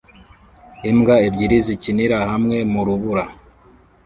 Imbwa ebyiri zikinira hamwe mu rubura